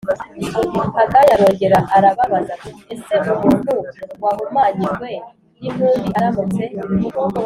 Hagayi arongera arababaza ati ese umuntu wahumanyijwe n intumbi aramutse